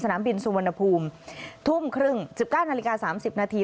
นามบินสุวรรณภูมิทุ่มครึ่ง๑๙นาฬิกา๓๐นาที